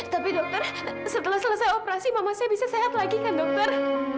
tapi dokter setelah selesai operasi mama saya bisa sehat lagi kan dokter